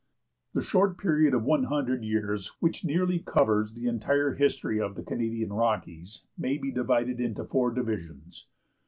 The short period of one hundred years which nearly covers the entire history of the Canadian Rockies may be divided into four divisions.